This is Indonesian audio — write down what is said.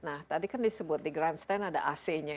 nah tadi kan disebut di grandstand ada ac nya